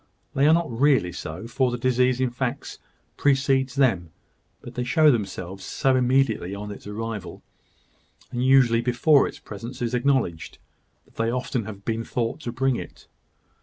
They are not really so, for the disease in fact precedes them; but they show themselves so immediately on its arrival, and usually before its presence is acknowledged, that they have often been thought to bring it.